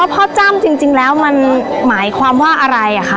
จ้ำจริงแล้วมันหมายความว่าอะไรคะ